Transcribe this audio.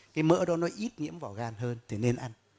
cái mỡ đó nó ít nhiễm vào gan hơn thì nên ăn